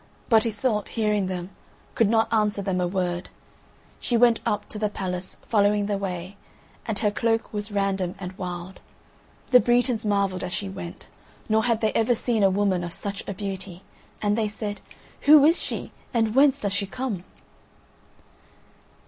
But Iseult, hearing them, could not answer them a word. She went up to the palace, following the way, and her cloak was random and wild. The Bretons marvelled as she went; nor had they ever seen woman of such a beauty, and they said: "Who is she, or whence does she come?"